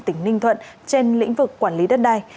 tỉnh ninh thuận trên lĩnh vực quản lý đất đai